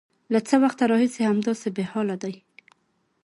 _له څه وخته راهيسې همداسې بېحاله دی؟